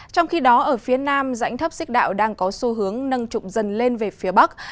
trong khi đó ở phía nam dãnh thấp xích đạo đang có xu hướng nâng trụng dần lên về phía bắc